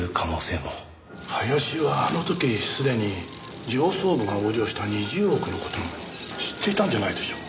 林はあの時すでに上層部が横領した２０億の事も知っていたんじゃないでしょうか。